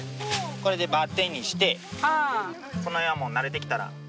これでバッテンにして慣れてきたら。